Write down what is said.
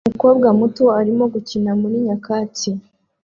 umukobwa muto arimo gukina muri nyakatsi